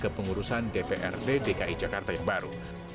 kepengurusan dprd dki jakarta yang baru